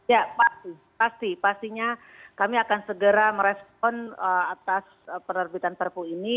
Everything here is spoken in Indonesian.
ya pasti pasti pastinya kami akan segera merespon atas penerbitan perpu ini